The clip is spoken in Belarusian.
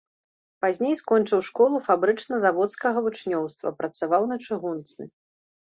Пазней скончыў школу фабрычна-заводскага вучнёўства, працаваў на чыгунцы.